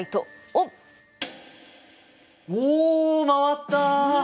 お回った。